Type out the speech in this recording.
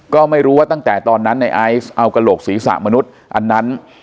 ก็ไม่รู้ว่าตั้งแต่ตอนนั้นในไอซ์เอากระโหลกศีรษะมนุษย์อันนั้น